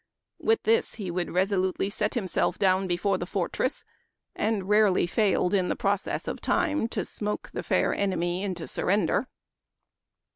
With this he would resolutely set himself down before the fortress, and rarely failed, in the process of time, to smoke the fair enemy into surrender."